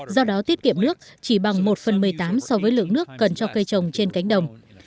do đó tiết kiệm nước chỉ bằng một phần một mươi tám so với lượng nước cần cho cây trồng trên cánh đồng